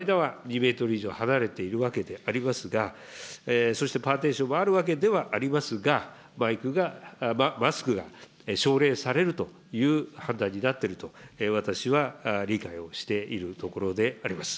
こうしたことを考えますと、確かに私と猪瀬委員の間は２メートル以上離れているわけでありますが、そしてパーテーションもあるわけではありますが、マスクが奨励されるという判断になっていると、私は理解をしているところであります。